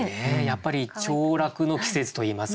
やっぱりちょう落の季節といいますかね。